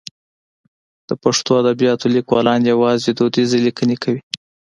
د پښتو ادبیاتو لیکوالان یوازې دودیزې لیکنې کوي.